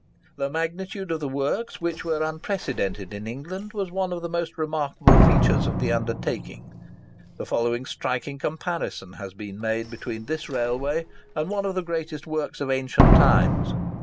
The magnitude of the works, which were unprecedented in England, was one of the most remarkable features in the undertaking. The following striking comparison has been made between this railway and one of the greatest works of ancient times.